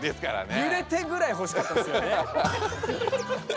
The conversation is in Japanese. ゆれてぐらいほしかったですよね。